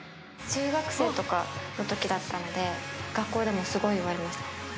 中学生とかのときだったので学校でもすごい言われました。